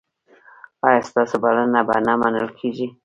ایا ستاسو بلنه به نه منل کیږي؟